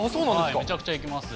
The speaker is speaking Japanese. めちゃくちゃ行きます。